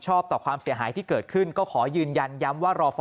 ต่อความเสียหายที่เกิดขึ้นก็ขอยืนยันย้ำว่ารอฟอ